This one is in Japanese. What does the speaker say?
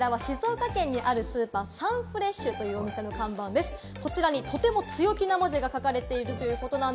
そして、さらにこちらは静岡県にあるスーパー、サンフレッシュというお店の看板です。